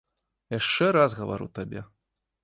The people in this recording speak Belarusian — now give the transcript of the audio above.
Яшчэ раз гавару табе.